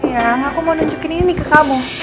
yang aku mau nunjukin ini ke kamu